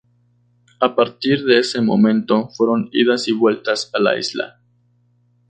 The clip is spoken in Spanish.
A partir de ese momento, fueron idas y vueltas a la isla.